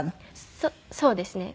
そうですね。